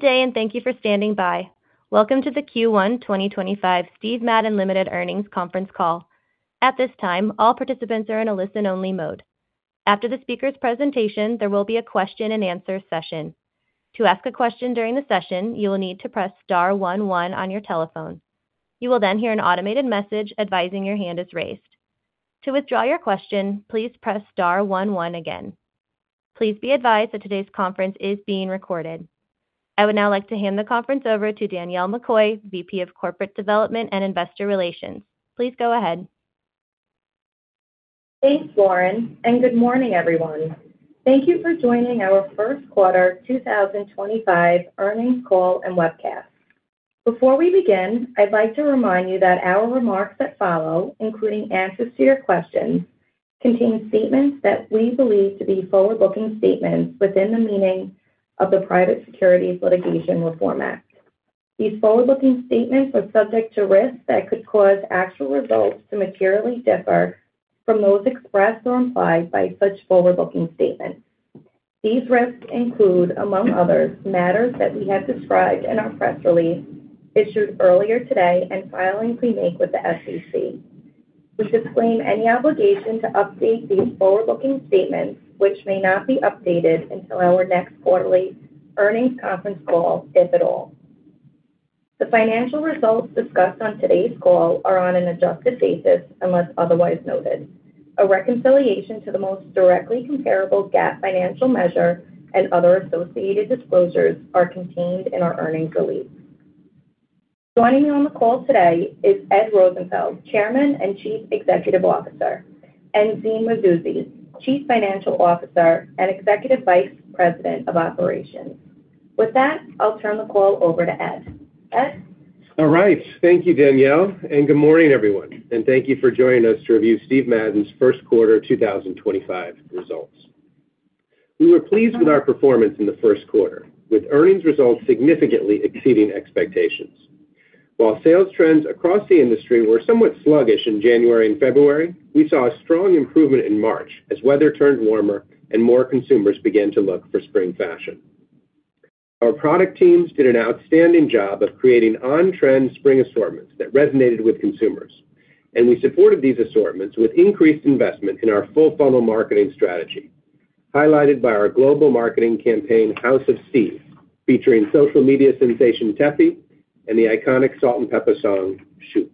Good day, and thank you for standing by. Welcome to the Q1 2025 Steve Madden Limited Earnings Conference Call. At this time, all participants are in a listen-only mode. After the speaker's presentation, there will be a question-and-answer session. To ask a question during the session, you will need to press star one one on your telephone. You will then hear an automated message advising your hand is raised. To withdraw your question, please press star one one again. Please be advised that today's conference is being recorded. I would now like to hand the conference over to Danielle McCoy, VP of Corporate Development and Investor Relations. Please go ahead. Thanks, Lauren, and good morning, everyone. Thank you for joining our first quarter 2025 earnings call and webcast. Before we begin, I'd like to remind you that our remarks that follow, including answers to your questions, contain statements that we believe to be forward-looking statements within the meaning of the Private Securities Litigation Reform Act. These forward-looking statements are subject to risks that could cause actual results to materially differ from those expressed or implied by such forward-looking statements. These risks include, among others, matters that we have described in our press release issued earlier today and filings we make with the SEC. We suspend any obligation to update these forward-looking statements, which may not be updated until our next quarterly earnings conference call, if at all. The financial results discussed on today's call are on an adjusted basis unless otherwise noted. A reconciliation to the most directly comparable GAAP financial measure and other associated disclosures are contained in our earnings release. Joining me on the call today is Ed Rosenfeld, Chairman and Chief Executive Officer, and Zine Mazouzi, Chief Financial Officer and Executive Vice President of Operations. With that, I'll turn the call over to Ed. Ed? All right. Thank you, Danielle, and good morning, everyone. Thank you for joining us to review Steve Madden's first quarter 2025 results. We were pleased with our performance in the first quarter, with earnings results significantly exceeding expectations. While sales trends across the industry were somewhat sluggish in January and February, we saw a strong improvement in March as weather turned warmer and more consumers began to look for spring fashion. Our product teams did an outstanding job of creating on-trend spring assortments that resonated with consumers, and we supported these assortments with increased investment in our full-funnel marketing strategy, highlighted by our global marketing campaign House of Steve, featuring social media sensation Tefi and the iconic Salt and Pepper song, Shoot.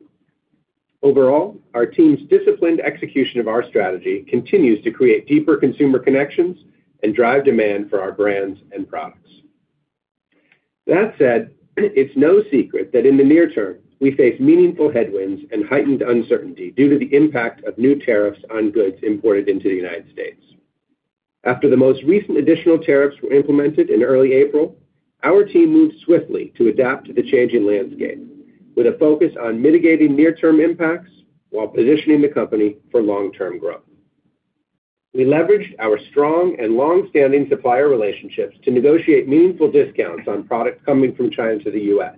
Overall, our team's disciplined execution of our strategy continues to create deeper consumer connections and drive demand for our brands and products. That said, it's no secret that in the near term, we face meaningful headwinds and heightened uncertainty due to the impact of new tariffs on goods imported into the United States. After the most recent additional tariffs were implemented in early April, our team moved swiftly to adapt to the changing landscape, with a focus on mitigating near-term impacts while positioning the company for long-term growth. We leveraged our strong and long-standing supplier relationships to negotiate meaningful discounts on products coming from China to the US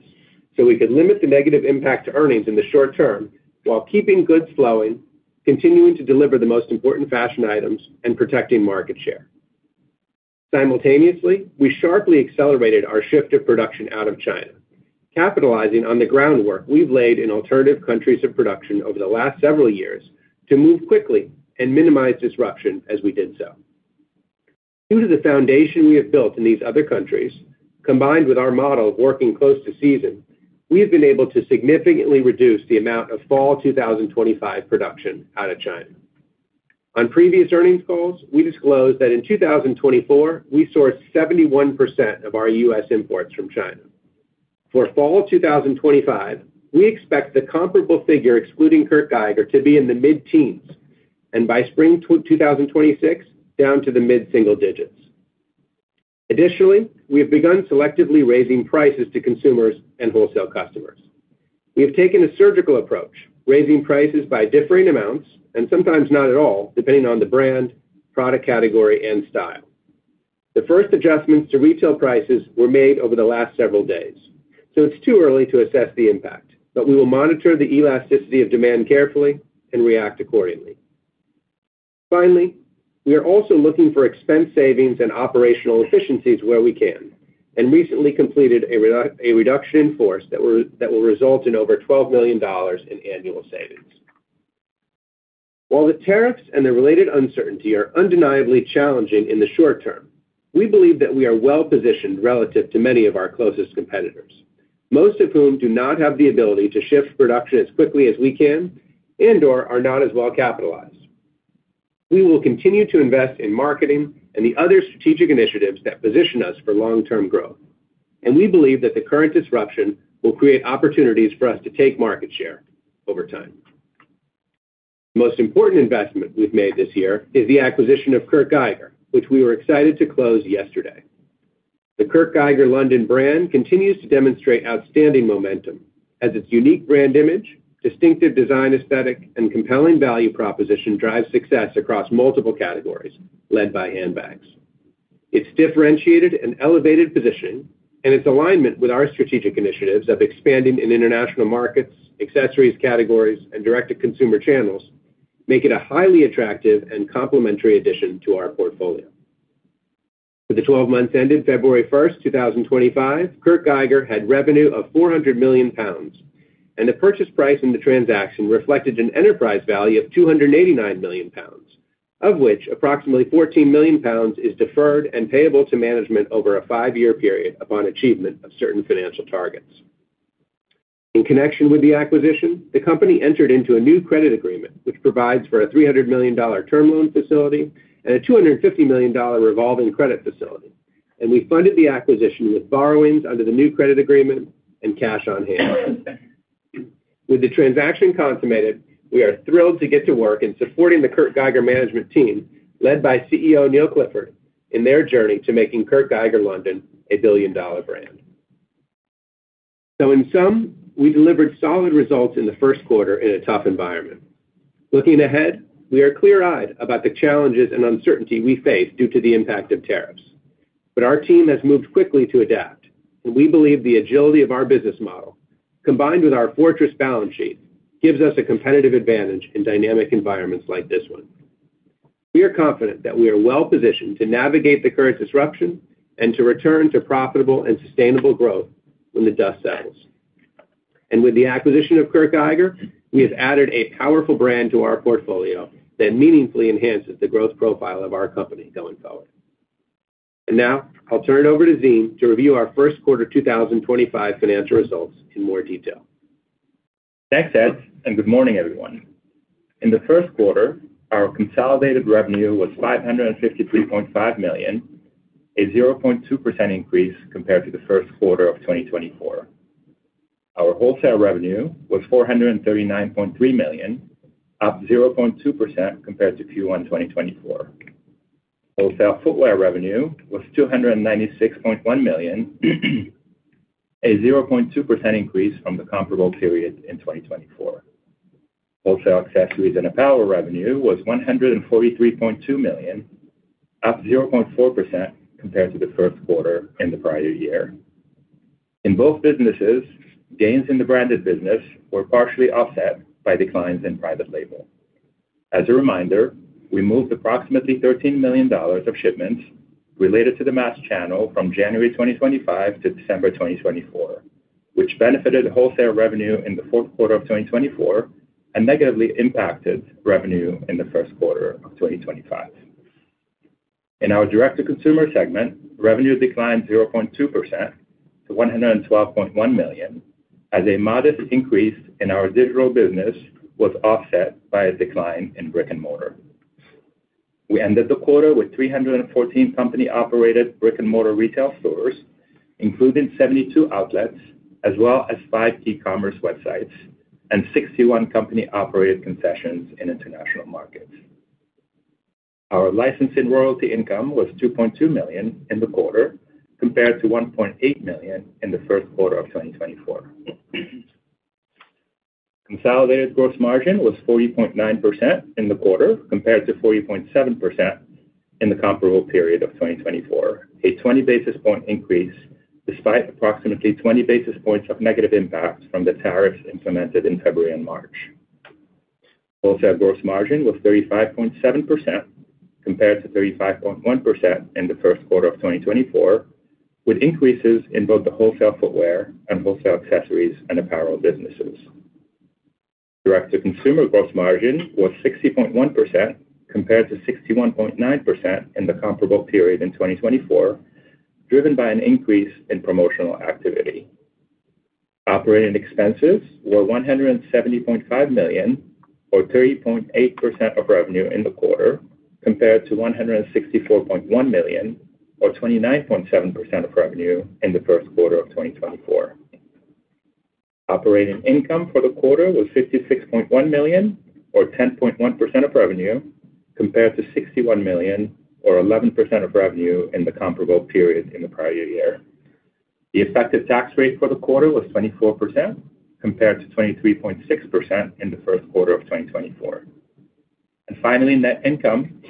so we could limit the negative impact to earnings in the short term while keeping goods flowing, continuing to deliver the most important fashion items, and protecting market share. Simultaneously, we sharply accelerated our shift to production out of China, capitalizing on the groundwork we've laid in alternative countries of production over the last several years to move quickly and minimize disruption as we did so. Due to the foundation we have built in these other countries, combined with our model of working close to season, we have been able to significantly reduce the amount of fall 2025 production out of China. On previous earnings calls, we disclosed that in 2024, we sourced 71% of our U.S. imports from China. For fall 2025, we expect a comparable figure, excluding Kurt Geiger, to be in the mid-teens, and by spring 2026, down to the mid-single digits. Additionally, we have begun selectively raising prices to consumers and wholesale customers. We have taken a surgical approach, raising prices by differing amounts and sometimes not at all, depending on the brand, product category, and style. The first adjustments to retail prices were made over the last several days, so it's too early to assess the impact, but we will monitor the elasticity of demand carefully and react accordingly. Finally, we are also looking for expense savings and operational efficiencies where we can and recently completed a reduction in force that will result in over $12 million in annual savings. While the tariffs and the related uncertainty are undeniably challenging in the short term, we believe that we are well-positioned relative to many of our closest competitors, most of whom do not have the ability to shift production as quickly as we can and/or are not as well capitalized. We will continue to invest in marketing and the other strategic initiatives that position us for long-term growth, and we believe that the current disruption will create opportunities for us to take market share over time. The most important investment we've made this year is the acquisition of Kurt Geiger, which we were excited to close yesterday. The Kurt Geiger London brand continues to demonstrate outstanding momentum as its unique brand image, distinctive design aesthetic, and compelling value proposition drive success across multiple categories led by handbags. Its differentiated and elevated positioning and its alignment with our strategic initiatives of expanding in international markets, accessories categories, and direct-to-consumer channels make it a highly attractive and complementary addition to our portfolio. With the 12-month end in February 1, 2025, Kurt Geiger had revenue of 400 million pounds, and the purchase price in the transaction reflected an enterprise value of 289 million pounds, of which approximately 14 million pounds is deferred and payable to management over a five-year period upon achievement of certain financial targets. In connection with the acquisition, the company entered into a new credit agreement, which provides for a $300 million term loan facility and a $250 million revolving credit facility, and we funded the acquisition with borrowings under the new credit agreement and cash on hand. With the transaction consummated, we are thrilled to get to work in supporting the Kurt Geiger management team led by CEO Neil Clifford in their journey to making Kurt Geiger London a billion-dollar brand. In sum, we delivered solid results in the first quarter in a tough environment. Looking ahead, we are clear-eyed about the challenges and uncertainty we face due to the impact of tariffs, but our team has moved quickly to adapt, and we believe the agility of our business model, combined with our fortress balance sheet, gives us a competitive advantage in dynamic environments like this one. We are confident that we are well-positioned to navigate the current disruption and to return to profitable and sustainable growth when the dust settles. With the acquisition of Kurt Geiger, we have added a powerful brand to our portfolio that meaningfully enhances the growth profile of our company going forward. Now, I'll turn it over to Zine to review our first quarter 2025 financial results in more detail. Thanks, Ed, and good morning, everyone. In the first quarter, our consolidated revenue was $553.5 million, a 0.2% increase compared to the first quarter of 2024. Our wholesale revenue was $439.3 million, up 0.2% compared to Q1 2024. Wholesale footwear revenue was $296.1 million, a 0.2% increase from the comparable period in 2024. Wholesale accessories and apparel revenue was $143.2 million, up 0.4% compared to the first quarter in the prior year. In both businesses, gains in the branded business were partially offset by declines in private label. As a reminder, we moved approximately $13 million of shipments related to the MATS channel from January 2025 to December 2024, which benefited wholesale revenue in the fourth quarter of 2024 and negatively impacted revenue in the first quarter of 2025. In our direct-to-consumer segment, revenue declined 0.2% to $112.1 million, as a modest increase in our digital business was offset by a decline in brick-and-mortar. We ended the quarter with 314 company-operated brick-and-mortar retail stores, including 72 outlets, as well as five e-commerce websites and 61 company-operated concessions in international markets. Our licensing royalty income was $2.2 million in the quarter, compared to $1.8 million in the third quarter of 2024. Consolidated gross margin was 40.9% in the quarter, compared to 40.7% in the comparable period of 2024, a 20 basis point increase despite approximately 20 basis points of negative impact from the tariffs implemented in February and March. Wholesale gross margin was 35.7% compared to 35.1% in the first quarter of 2024, with increases in both the wholesale footwear and wholesale accessories and apparel businesses. Direct-to-consumer gross margin was 60.1% compared to 61.9% in the comparable period in 2024, driven by an increase in promotional activity. Operating expenses were $170.5 million, or 30.8% of revenue in the quarter, compared to $164.1 million, or 29.7% of revenue in the first quarter of 2024. Operating income for the quarter was $56.1 million, or 10.1% of revenue, compared to $61 million, or 11% of revenue in the comparable period in the prior year. The effective tax rate for the quarter was 24% compared to 23.6% in the first quarter of 2024. Finally, net income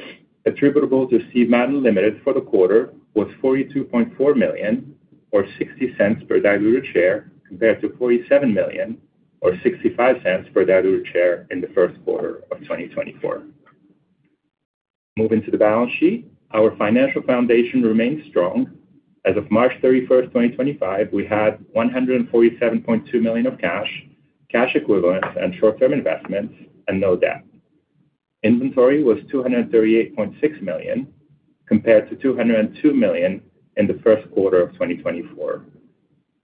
attributable to Steve Madden Limited for the quarter was $42.4 million, or $0.60 per diluted share, compared to $47 million, or $0.65 per diluted share in the first quarter of 2024. Moving to balance sheet, our financial foundation remains strong. As of March 31, 2025, we have $147.2 million of cash, cash equivalents, and short-term investments, and no debt. Inventory was $238.6 million compared to $202 million in the first quarter of 2024.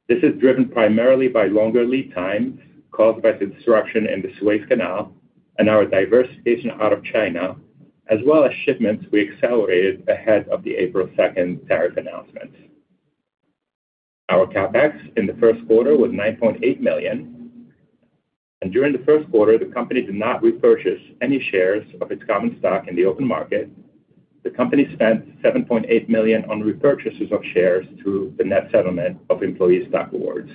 This is driven primarily by longer lead time caused by the disruption in the Suez Canal and our diversification out of China, as well as shipments we accelerated ahead of the April 2 tariff announcement. Our CapEx in the first quarter was $9.8 million, and during the first quarter, the company did not repurchase any shares of its common stock in the open market. The company spent $7.8 million on repurchases of shares through the net settlement of employee stock awards.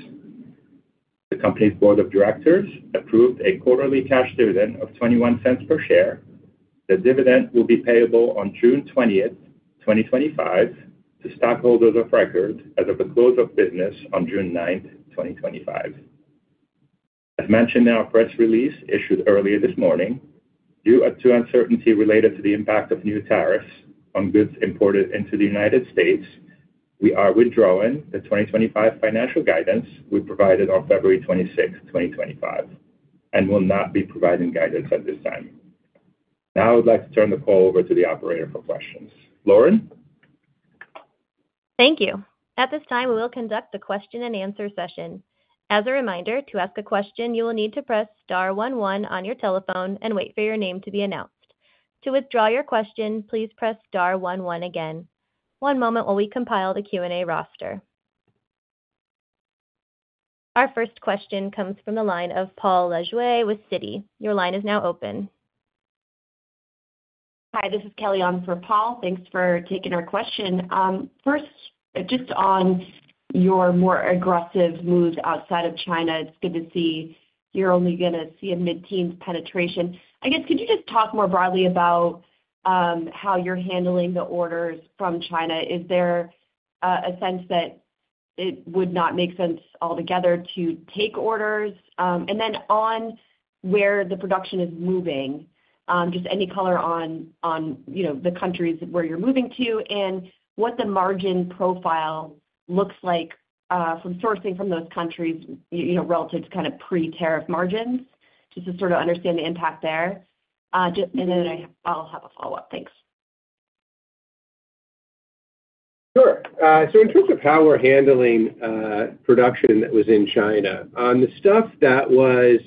The company's board of directors approved a quarterly cash dividend of $0.21 per share. The dividend will be payable on June 20, 2025, to stockholders of record as of the close of business on June 9, 2025. As mentioned in our press release issued earlier this morning, due to uncertainty related to the impact of new tariffs on goods imported into the U.S., we are withdrawing the 2025 financial guidance we provided on February 26, 2025, and will not be providing guidance at this time. Now, I would like to turn the call over to the operator for questions. Lauren? Thank you. At this time, we will conduct the question-and-answer session. As a reminder, to ask a question, you will need to press star one one on your telephone and wait for your name to be announced. To withdraw your question, please press star one one again. One moment while we compile the Q&A roster. Our first question comes from the line of Paul Lejuez with Citi. Your line is now open. Hi, this is Kelly on for Paul. Thanks for taking our question. First, just on your more aggressive moves outside of China, it's good to see you're only going to see a mid-teens penetration. I guess, could you just talk more broadly about how you're handling the orders from China? Is there a sense that it would not make sense altogether to take orders? On where the production is moving, just any color on the countries where you're moving to and what the margin profile looks like from sourcing from those countries relative to kind of pre-tariff margins, just to sort of understand the impact there. I have a follow-up. Thanks. In terms of how we're handling production that was in China, on the stuff that was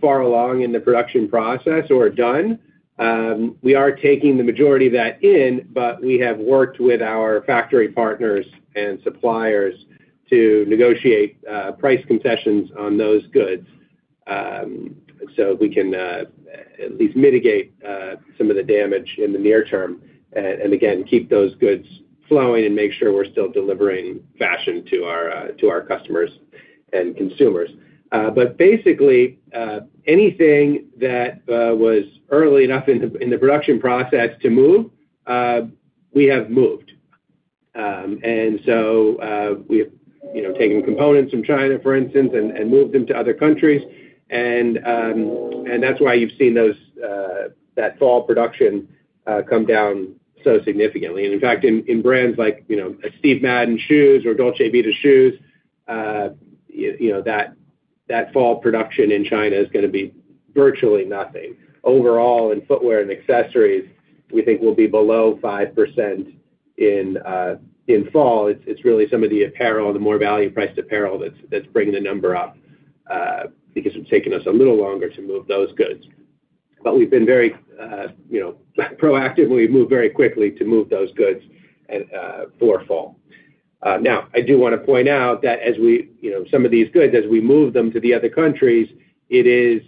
far along in the production process or done, we are taking the majority of that in, but we have worked with our factory partners and suppliers to negotiate price concessions on those goods so we can at least mitigate some of the damage in the near term and, again, keep those goods flowing and make sure we're still delivering fashion to our customers and consumers. Basically, anything that was early enough in the production process to move, we have moved. We have taken components from China, for instance, and moved them to other countries. That is why you've seen that fall production come down so significantly. In fact, in brands like Steve Madden Shoes or Dolce Vita Shoes, that fall production in China is going to be virtually nothing. Overall, in footwear and accessories, we think we'll be below 5% in fall. It's really some of the apparel and the more value-priced apparel that's bringing the number up because it's taken us a little longer to move those goods. But we've been very proactive, and we've moved very quickly to move those goods for fall. Now, I do want to point out that as we some of these goods, as we move them to the other countries, it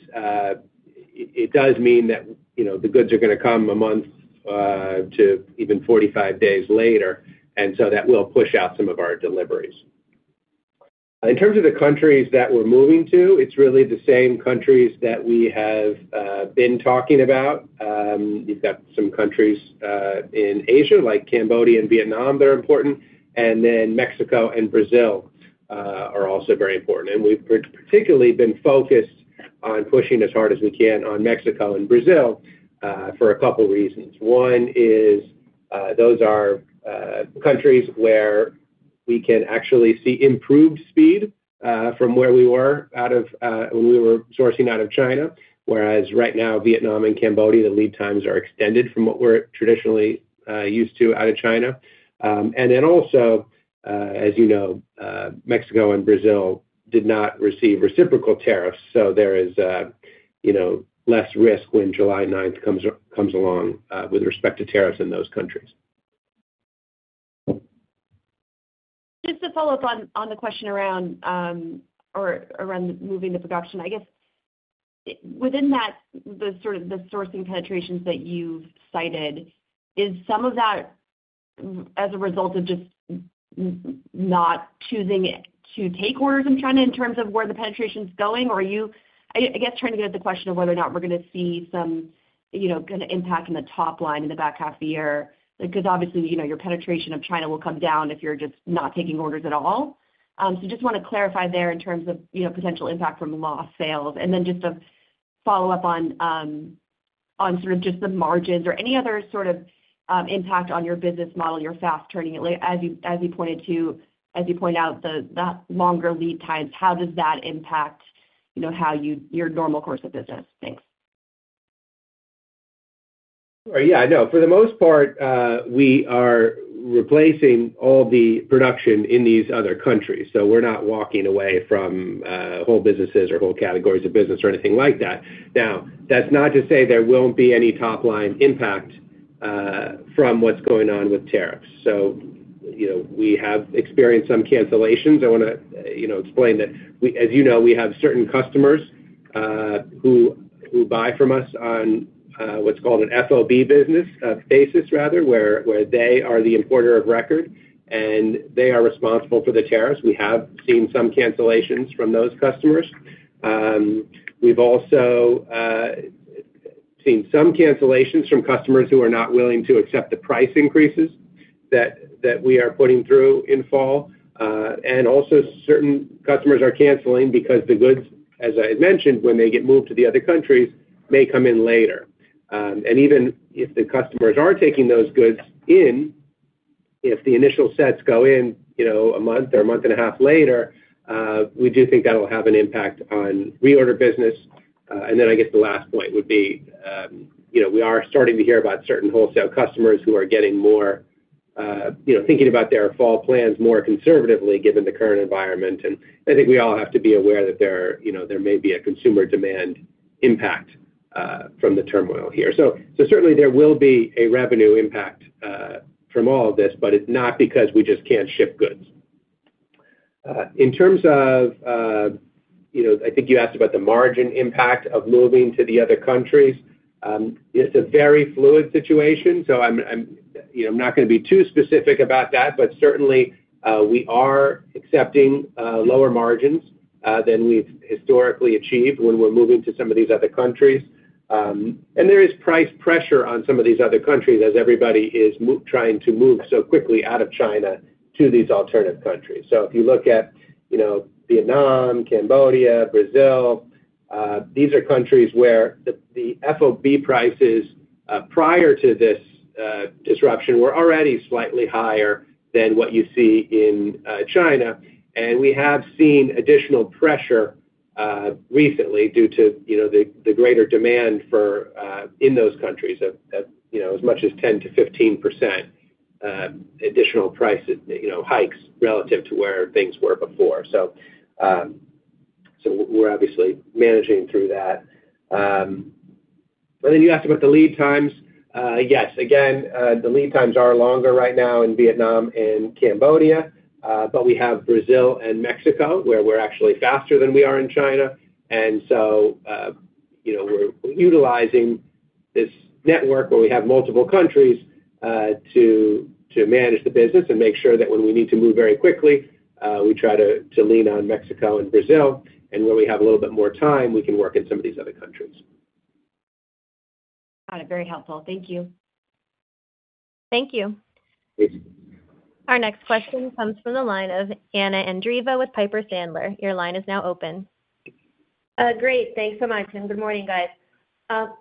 does mean that the goods are going to come a month to even 45 days later, and so that will push out some of our deliveries. In terms of the countries that we're moving to, it's really the same countries that we have been talking about. You've got some countries in Asia, like Cambodia and Vietnam, that are important, and then Mexico and Brazil are also very important. We've particularly been focused on pushing as hard as we can on Mexico and Brazil for a couple of reasons. One is those are countries where we can actually see improved speed from where we were out of when we were sourcing out of China, whereas right now, Vietnam and Cambodia, the lead times are extended from what we're traditionally used to out of China. Also, as you know, Mexico and Brazil did not receive reciprocal tariffs, so there is less risk when July 9 comes along with respect to tariffs in those countries. Just to follow up on the question around moving the production, I guess, within that, the sourcing penetrations that you've cited, is some of that as a result of just not choosing to take orders from China in terms of where the penetration's going, or are you, I guess, trying to get at the question of whether or not we're going to see some kind of impact in the top line in the back half of the year? Because obviously, your penetration of China will come down if you're just not taking orders at all. Just want to clarify there in terms of potential impact from lost sales. Just to follow up on sort of just the margins or any other sort of impact on your business model, your fast turning. As you point out, that longer lead time, how does that impact your normal course of business? Thanks. Yeah, no, for the most part, we are replacing all the production in these other countries. We are not walking away from whole businesses or whole categories of business or anything like that. Now, that's not to say there won't be any top-line impact from what's going on with tariffs. We have experienced some cancellations. I want to explain that, as you know, we have certain customers who buy from us on what's called an FOB business, a basis, rather, where they are the importer of record, and they are responsible for the tariffs. We have seen some cancellations from those customers. We've also seen some cancellations from customers who are not willing to accept the price increases that we are putting through in fall. Certain customers are canceling because the goods, as I had mentioned, when they get moved to the other countries, may come in later. Even if the customers are taking those goods in, if the initial sets go in a month or a month and a half later, we do think that will have an impact on reorder business. I guess the last point would be we are starting to hear about certain wholesale customers who are thinking about their fall plans more conservatively given the current environment. I think we all have to be aware that there may be a consumer demand impact from the turmoil here. Certainly, there will be a revenue impact from all of this, but it's not because we just can't ship goods. In terms of I think you asked about the margin impact of moving to the other countries. It's a very fluid situation, so I'm not going to be too specific about that, but certainly, we are accepting lower margins than we've historically achieved when we're moving to some of these other countries. There is price pressure on some of these other countries as everybody is trying to move so quickly out of China to these alternative countries. If you look at Vietnam, Cambodia, Brazil, these are countries where the FOB prices prior to this disruption were already slightly higher than what you see in China. We have seen additional pressure recently due to the greater demand in those countries of as much as 10%-15% additional price hikes relative to where things were before. We're obviously managing through that. You asked about the lead times. Yes, again, the lead times are longer right now in Vietnam and Cambodia, but we have Brazil and Mexico where we are actually faster than we are in China. We are utilizing this network where we have multiple countries to manage the business and make sure that when we need to move very quickly, we try to lean on Mexico and Brazil. Where we have a little bit more time, we can work in some of these other countries. Got it. Very helpful. Thank you. Thank you. Our next question comes from the line of Anna Andreeva with Piper Sandler. Your line is now open. Great. Thanks so much. Good morning, guys.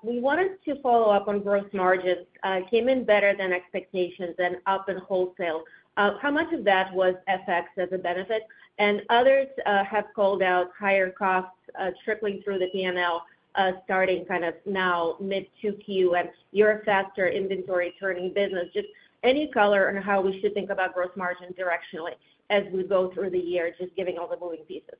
We wanted to follow up on gross margins. It came in better than expectations and up in wholesale. How much of that was FX as a benefit? Others have called out higher costs trickling through the P&L starting kind of now mid-Q2, and you're a faster inventory turning business. Just any color on how we should think about gross margins directionally as we go through the year, just giving all the moving pieces.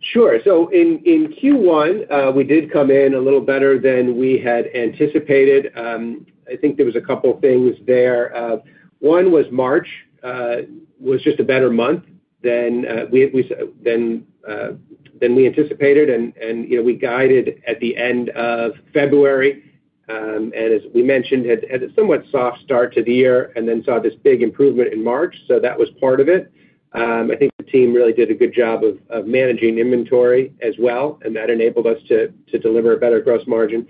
Sure. In Q1, we did come in a little better than we had anticipated. I think there was a couple of things there. One was March was just a better month than we anticipated, and we guided at the end of February. As we mentioned, had a somewhat soft start to the year and then saw this big improvement in March. That was part of it. I think the team really did a good job of managing inventory as well, and that enabled us to deliver a better gross margin.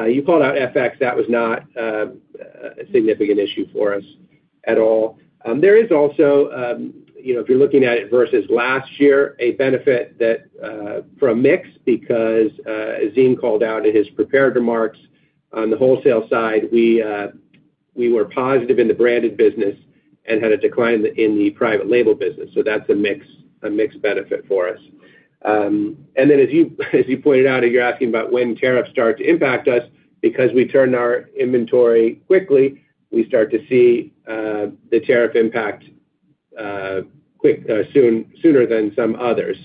You called out FX. That was not a significant issue for us at all. There is also, if you're looking at it versus last year, a benefit from mix because Zine called out in his prepared remarks. On the wholesale side, we were positive in the branded business and had a decline in the private label business. That's a mixed benefit for us. As you pointed out, you're asking about when tariffs start to impact us. Because we turn our inventory quickly, we start to see the tariff impact sooner than some others.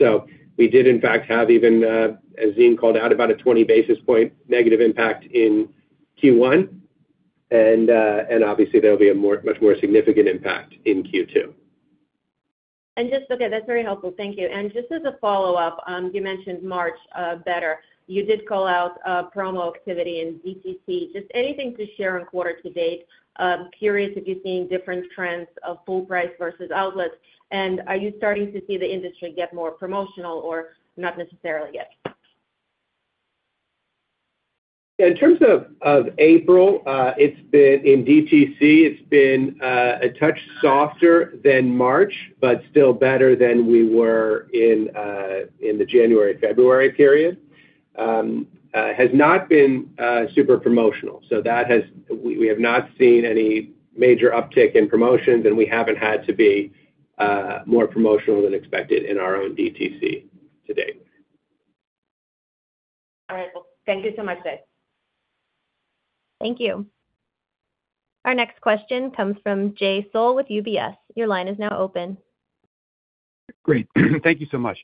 We did, in fact, have even, as Zine called out, about a 20 basis point negative impact in Q1. Obviously, there will be a much more significant impact in Q2. Okay, that's very helpful. Thank you. Just as a follow-up, you mentioned March better. You did call out promo activity in DTC. Just anything to share on quarter to date? Curious if you're seeing different trends of full price versus outlets. Are you starting to see the industry get more promotional or not necessarily yet? In terms of April, in DTC, it's been a touch softer than March, but still better than we were in the January-February period. It has not been super promotional. We have not seen any major uptick in promotions, and we haven't had to be more promotional than expected in our own DTC today. All right. Thank you so much, Zine. Thank you. Our next question comes from Jay Sole with UBS. Your line is now open. Great. Thank you so much.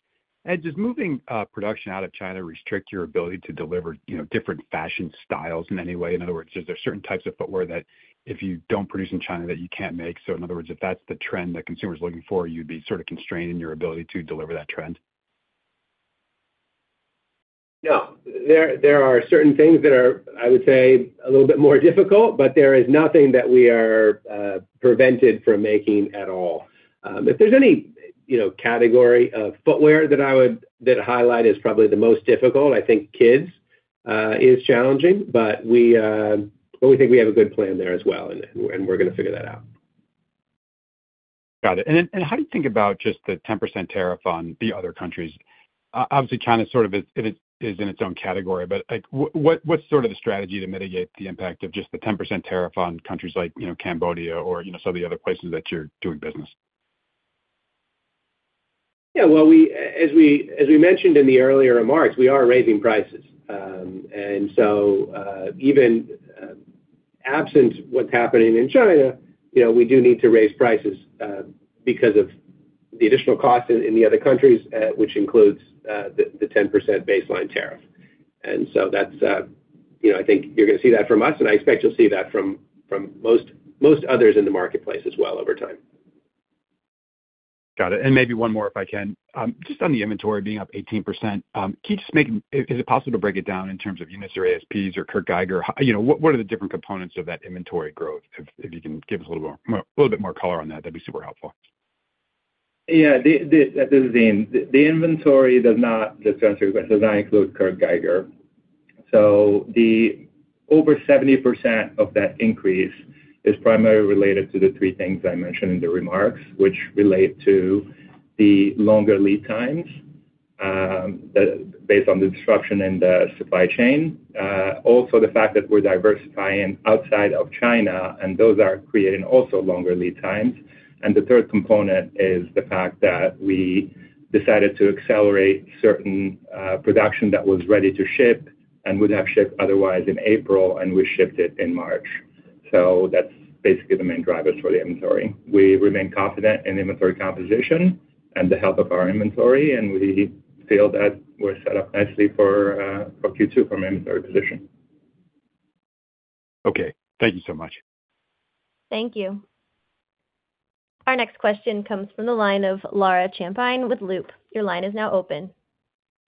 Just moving production out of China restricts your ability to deliver different fashion styles in any way? In other words, are there certain types of footwear that if you do not produce in China that you cannot make? In other words, if that is the trend that consumers are looking for, you would be sort of constraining your ability to deliver that trend? No. There are certain things that are, I would say, a little bit more difficult, but there is nothing that we are prevented from making at all. If there is any category of footwear that I would highlight as probably the most difficult, I think kids is challenging, but we think we have a good plan there as well, and we are going to figure that out. Got it. How do you think about just the 10% tariff on the other countries? Obviously, China sort of is in its own category, but what's sort of the strategy to mitigate the impact of just the 10% tariff on countries like Cambodia or some of the other places that you're doing business? Yeah. As we mentioned in the earlier remarks, we are raising prices. Even absent what's happening in China, we do need to raise prices because of the additional costs in the other countries, which includes the 10% baseline tariff. I think you're going to see that from us, and I expect you'll see that from most others in the marketplace as well over time. Got it. Maybe one more if I can. Just on the inventory being up 18%, can you just make it, is it possible to break it down in terms of units or ASPs or Kurt Geiger? What are the different components of that inventory growth? If you can give us a little bit more color on that, that'd be super helpful. Yeah. This is Zine. The inventory does not, just to answer your question, it does not include Kurt Geiger. Over 70% of that increase is primarily related to the three things I mentioned in the remarks, which relate to the longer lead times based on the disruption in the supply chain. Also, the fact that we're diversifying outside of China, and those are creating also longer lead times. The third component is the fact that we decided to accelerate certain production that was ready to ship and would have shipped otherwise in April, and we shipped it in March. That's basically the main drivers for the inventory. We remain confident in inventory composition and the health of our inventory, and we feel that we're set up nicely for Q2 from an inventory position. Okay. Thank you so much. Thank you. Our next question comes from the line of Laura Champine with Loop. Your line is now open.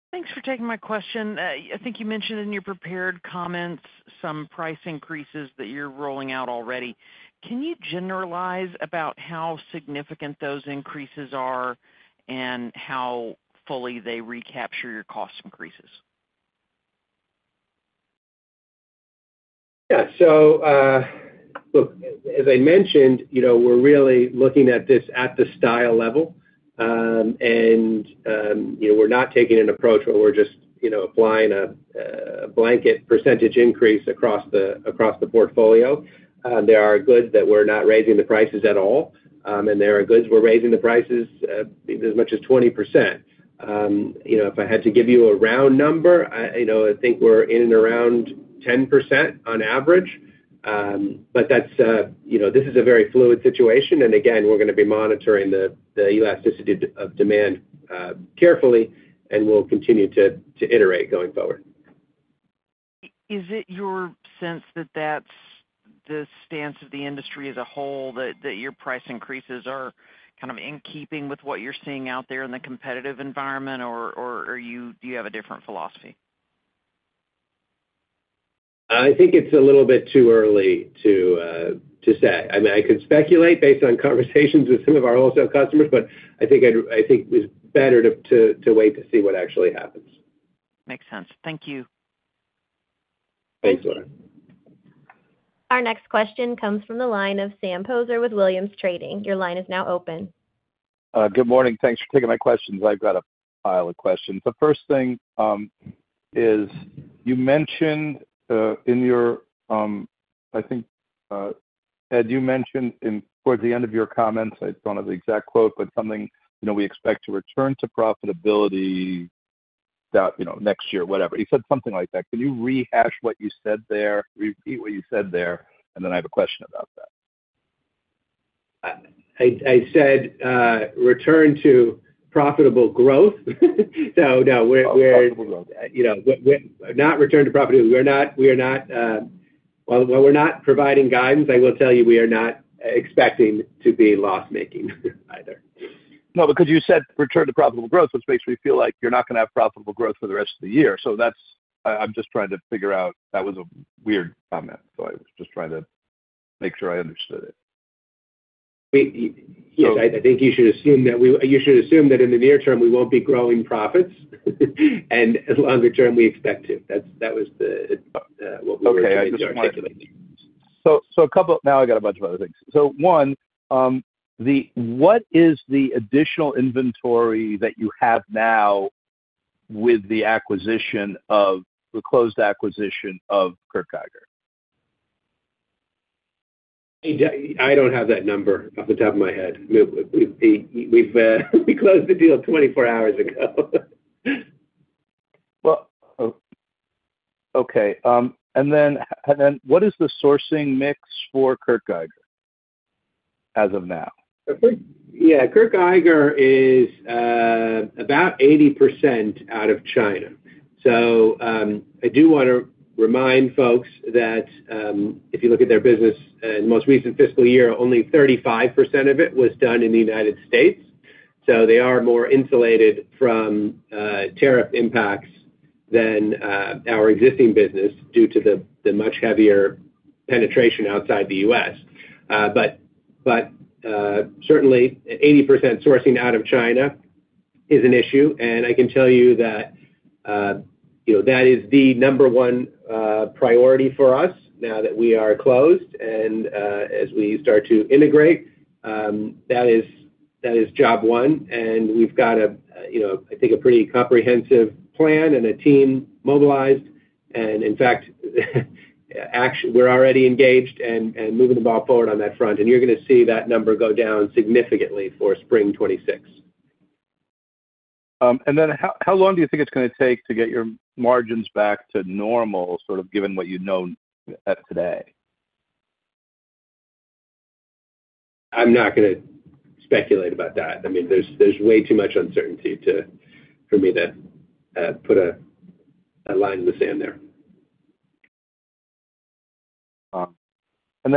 Thanks for taking my question. I think you mentioned in your prepared comments some price increases that you're rolling out already. Can you generalize about how significant those increases are and how fully they recapture your cost increases? Yeah. Look, as I mentioned, we're really looking at this at the style level, and we're not taking an approach where we're just applying a blanket percentage increase across the portfolio. There are goods that we're not raising the prices at all, and there are goods we're raising the prices as much as 20%. If I had to give you a round number, I think we're in and around 10% on average. This is a very fluid situation. Again, we're going to be monitoring the elasticity of demand carefully, and we'll continue to iterate going forward. Is it your sense that that's the stance of the industry as a whole, that your price increases are kind of in keeping with what you're seeing out there in the competitive environment, or do you have a different philosophy? I think it's a little bit too early to say. I mean, I could speculate based on conversations with some of our wholesale customers, but I think it's better to wait to see what actually happens. Makes sense. Thank you. Thank you. Our next question comes from the line of Sam Poser with Williams Trading. Your line is now open. Good morning. Thanks for taking my questions. I've got a pile of questions. The first thing is you mentioned in your, I think, Ed, you mentioned towards the end of your comments, I don't have the exact quote, but something we expect to return to profitability next year, whatever. You said something like that. Can you rehash what you said there? Repeat what you said there, and then I have a question about that. I said return to profitable growth. No, we're not return to profitability. We're not, well, we're not providing guidance. I will tell you we are not expecting to be loss-making either. No, because you said return to profitable growth, which makes me feel like you're not going to have profitable growth for the rest of the year. I am just trying to figure out that was a weird comment, so I was just trying to make sure I understood it. I think you should assume that in the near term, we won't be growing profits, and as long term we expect to. That was what we were just articulating. Okay. Now I got a bunch of other things. One, what is the additional inventory that you have now with the acquisition of the closed acquisition of Kurt Geiger? I don't have that number off the top of my head. We closed the deal 24 hours ago. Okay. And then what is the sourcing mix for Kurt Geiger as of now? Yeah. Kurt Geiger is about 80% out of China. I do want to remind folks that if you look at their business, in the most recent fiscal year, only 35% of it was done in the United States. They are more insulated from tariff impacts than our existing business due to the much heavier penetration outside the U.S. Certainly, 80% sourcing out of China is an issue. I can tell you that that is the number one priority for us now that we are closed. As we start to integrate, that is job one. We have, I think, a pretty comprehensive plan and a team mobilized. In fact, we are already engaged and moving the ball forward on that front. You are going to see that number go down significantly for spring 2026. How long do you think it's going to take to get your margins back to normal, sort of given what you know today? I'm not going to speculate about that. I mean, there's way too much uncertainty for me to put a line in the sand there.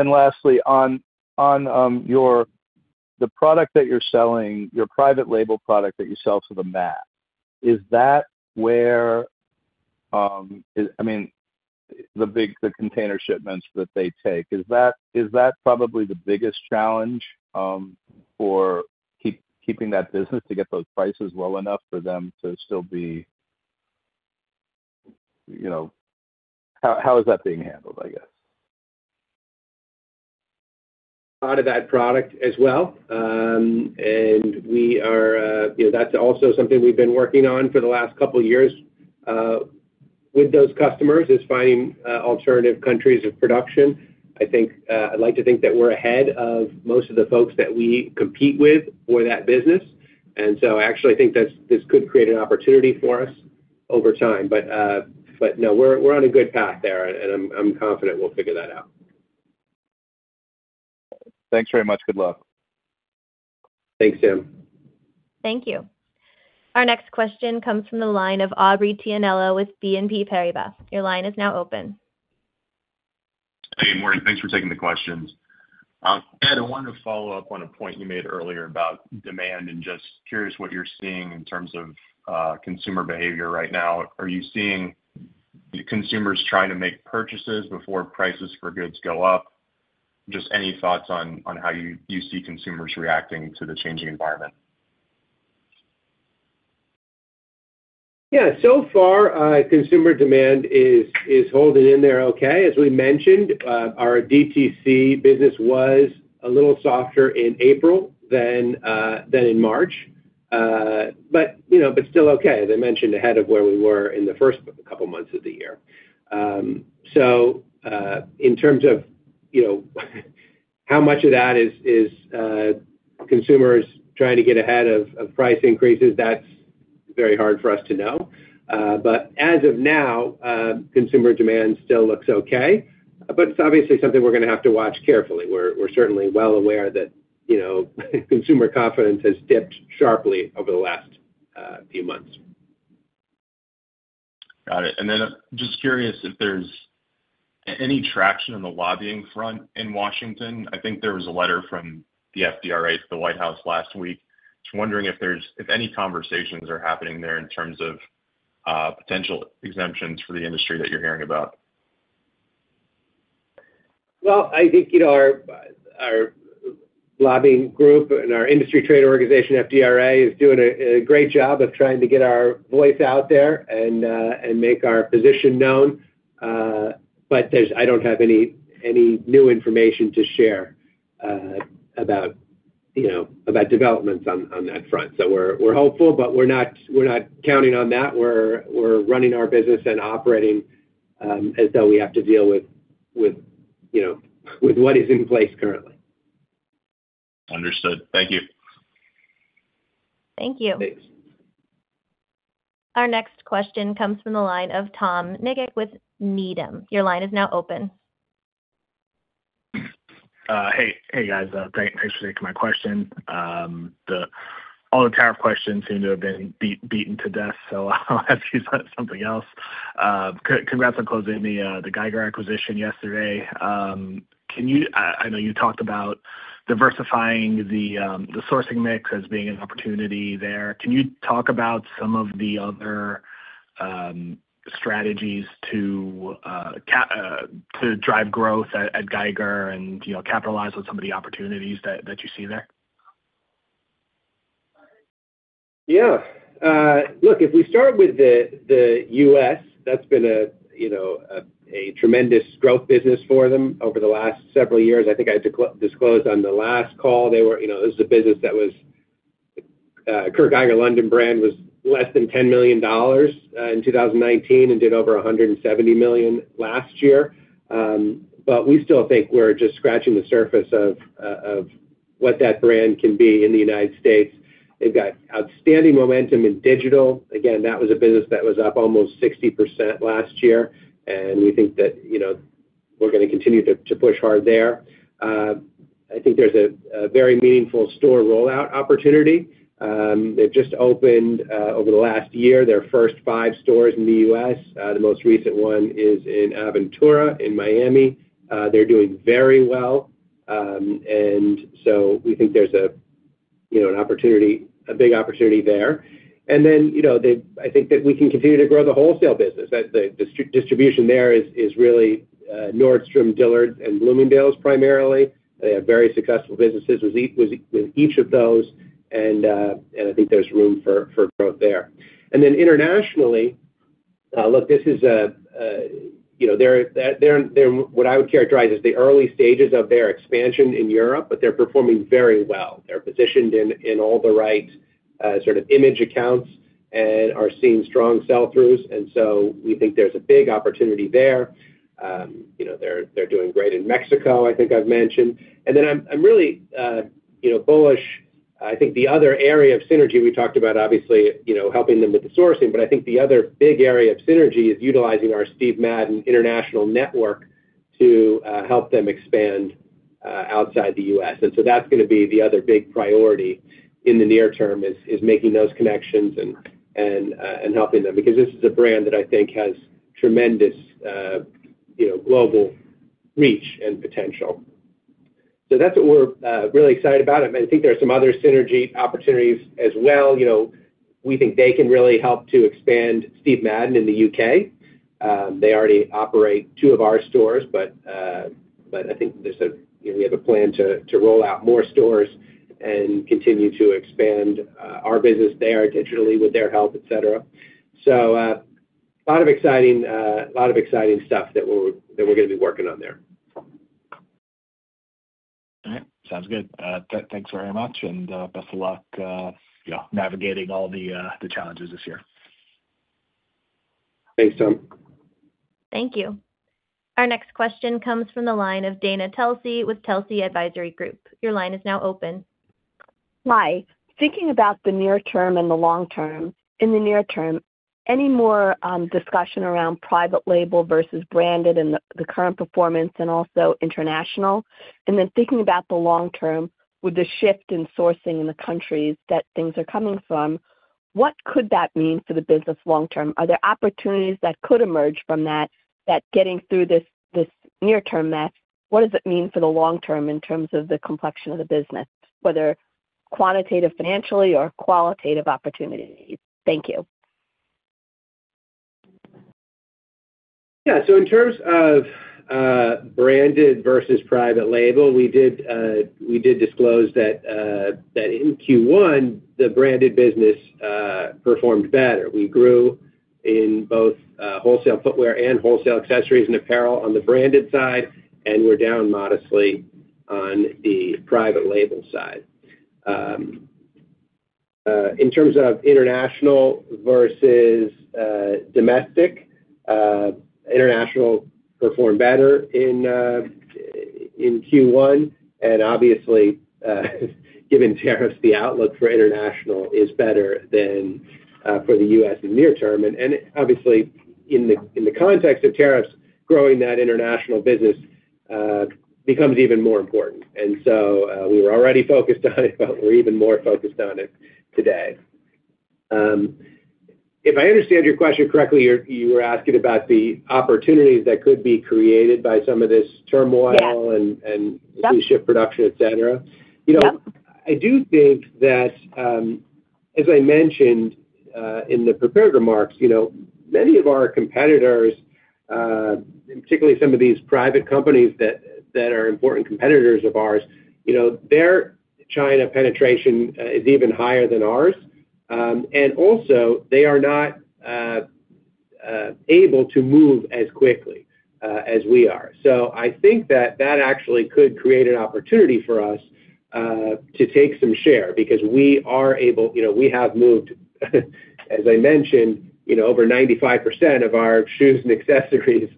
Lastly, on the product that you're selling, your private label product that you sell to the MAT, is that where, I mean, the container shipments that they take, is that probably the biggest challenge for keeping that business to get those prices low enough for them to still be, how is that being handled, I guess? Out of that product as well. That is also something we have been working on for the last couple of years with those customers, finding alternative countries of production. I would like to think that we are ahead of most of the folks that we compete with for that business. Actually, I think this could create an opportunity for us over time. We are on a good path there, and I am confident we will figure that out. Thanks very much. Good luck. Thanks, Sam. Thank you. Our next question comes from the line of Aubrey Tianello with BNP Paribas. Your line is now open. Hey, Lauren. Thanks for taking the questions. Ed, I wanted to follow up on a point you made earlier about demand and just curious what you're seeing in terms of consumer behavior right now. Are you seeing consumers trying to make purchases before prices for goods go up? Just any thoughts on how you see consumers reacting to the changing environment? Yeah. So far, consumer demand is holding in there okay. As we mentioned, our DTC business was a little softer in April than in March, but still okay. They mentioned ahead of where we were in the first couple of months of the year. In terms of how much of that is consumers trying to get ahead of price increases, that's very hard for us to know. As of now, consumer demand still looks okay, but it's obviously something we're going to have to watch carefully. We're certainly well aware that consumer confidence has dipped sharply over the last few months. Got it. Just curious if there's any traction on the lobbying front in Washington. I think there was a letter from the FDRA to the White House last week. I'm wondering if any conversations are happening there in terms of potential exemptions for the industry that you're hearing about. I think our lobbying group and our industry trade organization, FDRA, is doing a great job of trying to get our voice out there and make our position known. I do not have any new information to share about developments on that front. We are hopeful, but we are not counting on that. We are running our business and operating as though we have to deal with what is in place currently. Understood. Thank you. Thank you. Our next question comes from the line of Tom Nikic with Needham. Your line is now open. Hey, guys. Thanks for taking my question. All the tariff questions seem to have been beaten to death, so I'll ask you something else. Congrats on closing the Geiger acquisition yesterday. I know you talked about diversifying the sourcing mix as being an opportunity there. Can you talk about some of the other strategies to drive growth at Geiger and capitalize on some of the opportunities that you see there? Yeah. Look, if we start with the U.S., that's been a tremendous growth business for them over the last several years. I think I disclosed on the last call, this is a business that was Kurt Geiger London brand was less than $10 million in 2019 and did over $170 million last year. We still think we're just scratching the surface of what that brand can be in the United States. They've got outstanding momentum in digital. Again, that was a business that was up almost 60% last year, and we think that we're going to continue to push hard there. I think there's a very meaningful store rollout opportunity. They've just opened over the last year their first five stores in the U.S. The most recent one is in Aventura in Miami. They're doing very well. We think there's an opportunity, a big opportunity there. I think that we can continue to grow the wholesale business. The distribution there is really Nordstrom, Dillard's, and Bloomingdale's primarily. They have very successful businesses with each of those, and I think there's room for growth there. Internationally, look, this is what I would characterize as the early stages of their expansion in Europe, but they're performing very well. They're positioned in all the right sort of image accounts and are seeing strong sell-throughs. We think there's a big opportunity there. They're doing great in Mexico, I think I've mentioned. I'm really bullish. I think the other area of synergy we talked about, obviously helping them with the sourcing, but I think the other big area of synergy is utilizing our Steve Madden international network to help them expand outside the U.S. That is going to be the other big priority in the near term, making those connections and helping them because this is a brand that I think has tremendous global reach and potential. That is what we are really excited about. I think there are some other synergy opportunities as well. We think they can really help to expand Steve Madden in the U.K. They already operate two of our stores, but I think we have a plan to roll out more stores and continue to expand our business there digitally with their help, etc. A lot of exciting stuff that we are going to be working on there. All right. Sounds good. Thanks very much, and best of luck navigating all the challenges this year. Thanks, Tom. Thank you. Our next question comes from the line of Dana Telsey with Telsey Advisory Group. Your line is now open. Hi. Thinking about the near term and the long term, in the near term, any more discussion around private label versus branded and the current performance and also international? Thinking about the long term with the shift in sourcing in the countries that things are coming from, what could that mean for the business long term? Are there opportunities that could emerge from that, that getting through this near-term mess? What does it mean for the long term in terms of the complexion of the business, whether quantitative financially or qualitative opportunities? Thank you. Yeah. In terms of branded versus private label, we did disclose that in Q1, the branded business performed better. We grew in both wholesale footwear and wholesale accessories and apparel on the branded side, and we were down modestly on the private label side. In terms of international versus domestic, international performed better in Q1. Obviously, given tariffs, the outlook for international is better than for the U.S. in the near term. Obviously, in the context of tariffs, growing that international business becomes even more important. We were already focused on it, but we are even more focused on it today. If I understand your question correctly, you were asking about the opportunities that could be created by some of this turmoil and the ship production, etc. I do think that, as I mentioned in the prepared remarks, many of our competitors, particularly some of these private companies that are important competitors of ours, their China penetration is even higher than ours. Also, they are not able to move as quickly as we are. I think that actually could create an opportunity for us to take some share because we are able, we have moved, as I mentioned, over 95% of our shoes and accessories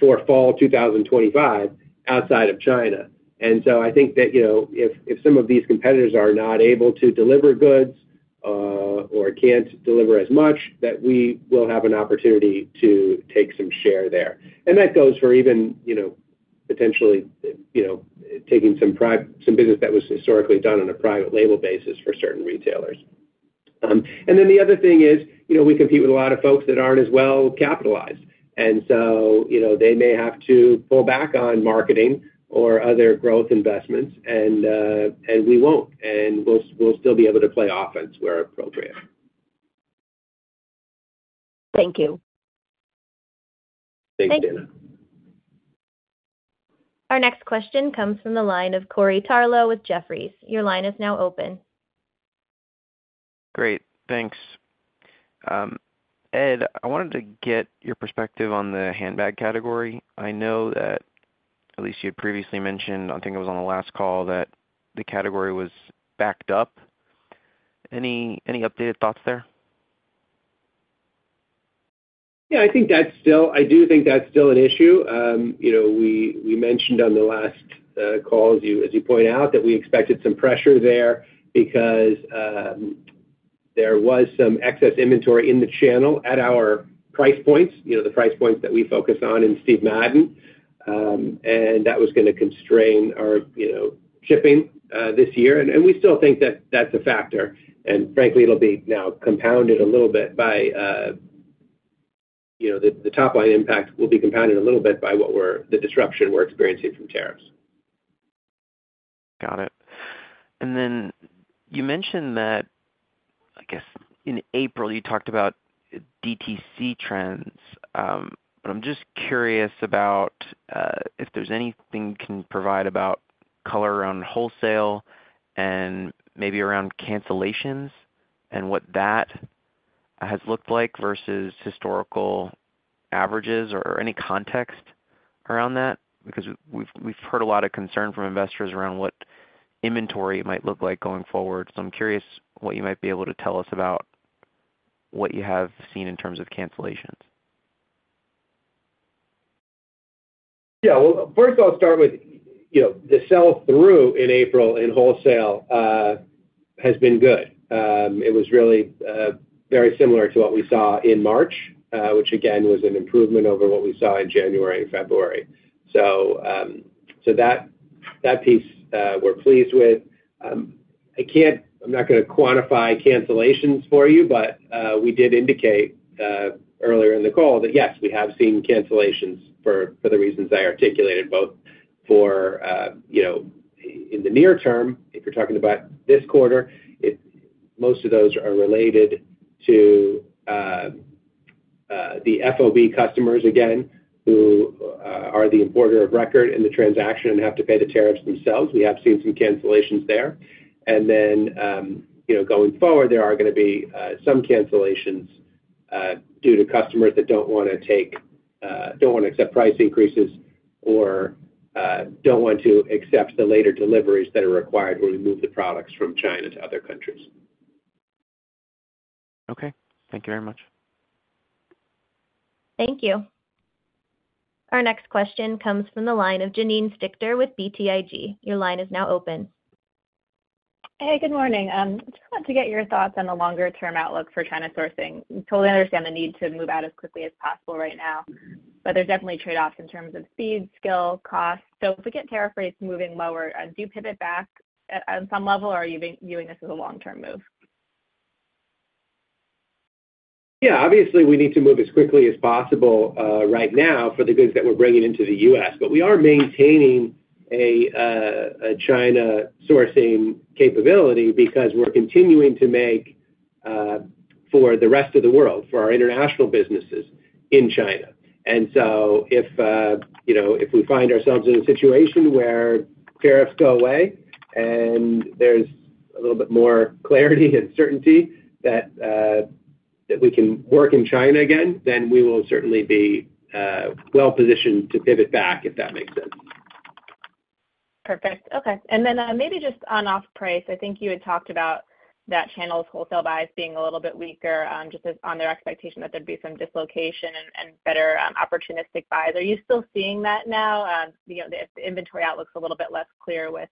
for fall 2025 outside of China. I think that if some of these competitors are not able to deliver goods or cannot deliver as much, we will have an opportunity to take some share there. That goes for even potentially taking some business that was historically done on a private label basis for certain retailers. We compete with a lot of folks that aren't as well capitalized. They may have to pull back on marketing or other growth investments, and we won't. We'll still be able to play offense where appropriate. Thank you. Thanks, Dana. Our next question comes from the line of Corey Tarlowe with Jefferies. Your line is now open. Great. Thanks. Ed, I wanted to get your perspective on the handbag category. I know that at least you had previously mentioned, I think it was on the last call, that the category was backed up. Any updated thoughts there? Yeah. I think that's still, I do think that's still an issue. We mentioned on the last call, as you point out, that we expected some pressure there because there was some excess inventory in the channel at our price points, the price points that we focus on in Steve Madden. That was going to constrain our shipping this year. We still think that that's a factor. Frankly, it'll be now compounded a little bit by the top line impact, will be compounded a little bit by the disruption we're experiencing from tariffs. Got it. You mentioned that, I guess, in April, you talked about DTC trends. I'm just curious if there's anything you can provide about color around wholesale and maybe around cancellations and what that has looked like versus historical averages or any context around that because we've heard a lot of concern from investors around what inventory might look like going forward. I'm curious what you might be able to tell us about what you have seen in terms of cancellations. Yeah. First, I'll start with the sell-through in April in wholesale has been good. It was really very similar to what we saw in March, which, again, was an improvement over what we saw in January and February. That piece, we're pleased with. I'm not going to quantify cancellations for you, but we did indicate earlier in the call that, yes, we have seen cancellations for the reasons I articulated, both for in the near term, if you're talking about this quarter, most of those are related to the FOB customers, again, who are the importer of record in the transaction and have to pay the tariffs themselves. We have seen some cancellations there. Going forward, there are going to be some cancellations due to customers that do not want to accept price increases or do not want to accept the later deliveries that are required when we move the products from China to other countries. Okay. Thank you very much. Thank you. Our next question comes from the line of Janine Stichter with BTIG. Your line is now open. Hey, good morning. I just want to get your thoughts on the longer-term outlook for China sourcing. I totally understand the need to move out as quickly as possible right now. There are definitely trade-offs in terms of speed, skill, cost. If we get tariff rates moving lower, do you pivot back on some level, or are you viewing this as a long-term move? Yeah. Obviously, we need to move as quickly as possible right now for the goods that we're bringing into the US. We are maintaining a China sourcing capability because we're continuing to make for the rest of the world, for our international businesses in China. If we find ourselves in a situation where tariffs go away and there's a little bit more clarity and certainty that we can work in China again, we will certainly be well-positioned to pivot back, if that makes sense. Perfect. Okay. Maybe just on off-price, I think you had talked about that channel's wholesale buys being a little bit weaker just on their expectation that there would be some dislocation and better opportunistic buys. Are you still seeing that now? If the inventory outlook is a little bit less clear with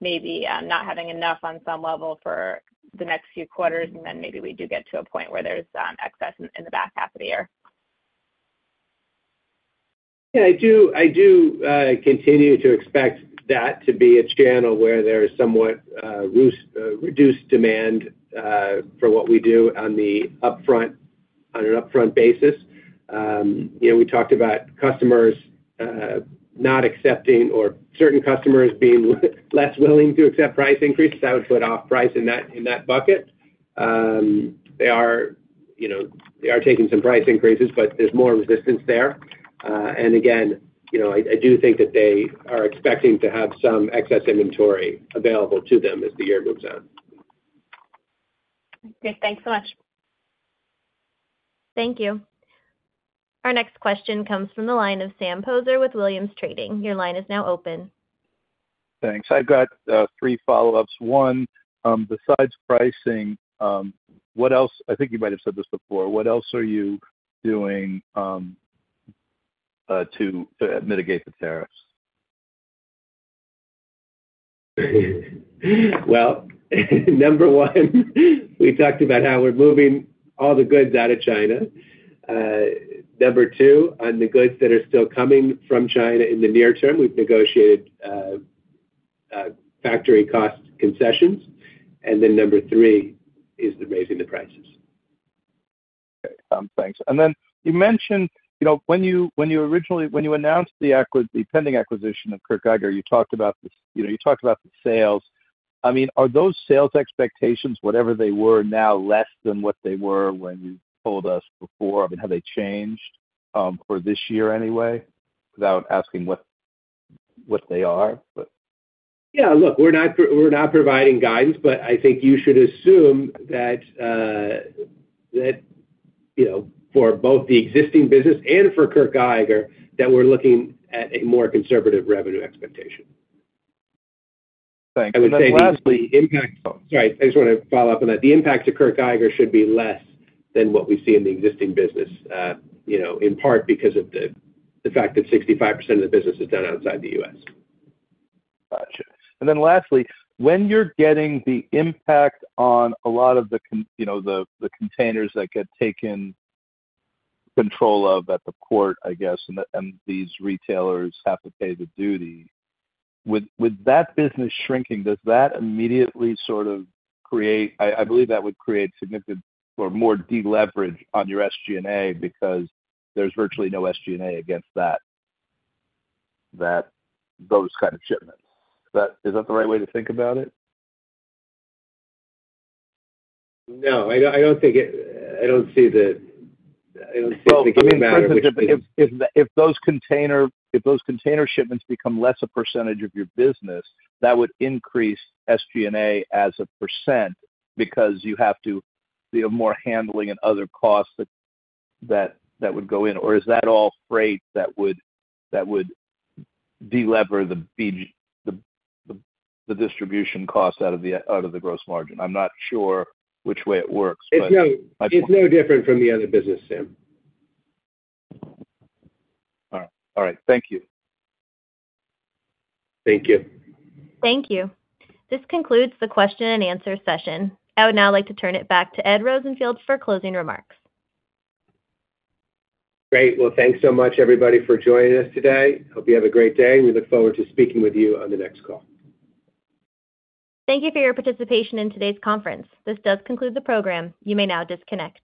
maybe not having enough on some level for the next few quarters, and then maybe we do get to a point where there is excess in the back half of the year. Yeah. I do continue to expect that to be a channel where there's somewhat reduced demand for what we do on the upfront, on an upfront basis. We talked about customers not accepting or certain customers being less willing to accept price increases. That would put off price in that bucket. They are taking some price increases, but there's more resistance there. I do think that they are expecting to have some excess inventory available to them as the year moves on. Okay. Thanks so much. Thank you. Our next question comes from the line of Sam Poser with Williams Trading. Your line is now open. Thanks. I've got three follow-ups. One, besides pricing, what else, I think you might have said this before, what else are you doing to mitigate the tariffs? Number one, we talked about how we're moving all the goods out of China. Number two, on the goods that are still coming from China in the near term, we've negotiated factory cost concessions. Number three is raising the prices. Thanks. You mentioned when you announced the pending acquisition of Kurt Geiger, you talked about the sales. I mean, are those sales expectations, whatever they were, now less than what they were when you told us before? I mean, have they changed for this year anyway without asking what they are? Yeah. Look, we're not providing guidance, but I think you should assume that for both the existing business and for Kurt Geiger, that we're looking at a more conservative revenue expectation. Thanks. Lastly. Sorry. I just want to follow up on that. The impact to Kurt Geiger should be less than what we see in the existing business, in part because of the fact that 65% of the business is done outside the U.S. Gotcha. Lastly, when you're getting the impact on a lot of the containers that get taken control of at the port, I guess, and these retailers have to pay the duty, with that business shrinking, does that immediately sort of create—I believe that would create significant or more deleverage on your SG&A because there's virtually no SG&A against those kinds of shipments. Is that the right way to think about it? No, I don't think it. I don't see the. I mean, if those container shipments become less a percentage of your business, that would increase SG&A as a percent because you have to deal with more handling and other costs that would go in. Is that all freight that would delever the distribution cost out of the gross margin? I'm not sure which way it works, but. It's no different from the other business, Sam. All right. All right. Thank you. Thank you. Thank you. This concludes the question-and-answer session. I would now like to turn it back to Ed Rosenfeld for closing remarks. Great. Thanks so much, everybody, for joining us today. Hope you have a great day. We look forward to speaking with you on the next call. Thank you for your participation in today's conference. This does conclude the program. You may now disconnect.